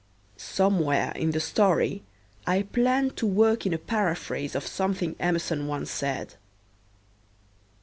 Somewhere in the story I plan to work in a paraphrase of something Emerson once said.